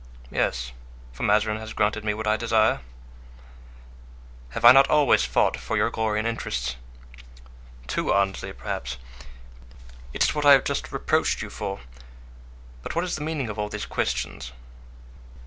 "Yes, for Mazarin has granted what I desire." "Have I not always fought for your glory and interests?" "Too ardently, perhaps; it is what I have just reproached you for. But what is the meaning of all these questions?"